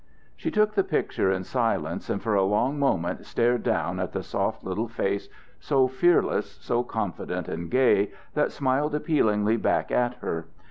She took the picture in silence, and for a long moment stared down at the soft little face, so fearless, so confident and gay, that smiled appealingly back at her.